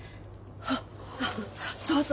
はっどうぞ。